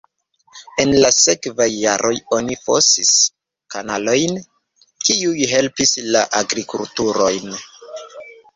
En la sekvaj jaroj oni fosis kanalojn, kiuj helpis la agrikulturon.